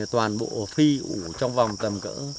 toàn bộ phi ủ trong vòng tầm cỡ